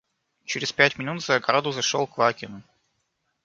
Через пять минут за ограду зашел Квакин.